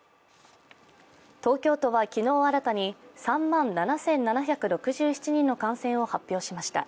東京都は昨日新たに３万７７６７人の感染者を発表しました。